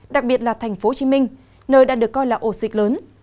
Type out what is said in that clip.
đặc biệt là tp hcm nơi đã được coi là ổ xịt lớn